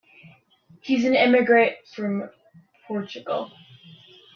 He's an immigrant from Portugal.